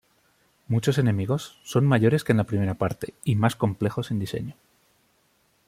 Muchos enemigos son mayores que en la primera parte, y más complejos en diseño.